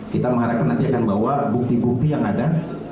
kita mengharapkan nanti akan bawa bukti bukti yang ada